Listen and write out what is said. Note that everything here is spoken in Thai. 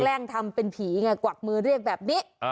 ล้งทำเป็นผีไงกวักมือเรียกแบบนี้